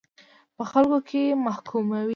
په خلکو کې محکوموي.